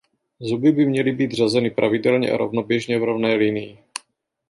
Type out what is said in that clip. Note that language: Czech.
Zuby by měly být řazeny pravidelně a rovnoběžně v rovné linii.